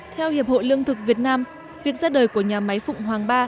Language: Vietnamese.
theo hiệp hội lương thực việt nam việc ra đời của nhà máy phụng hoàng ba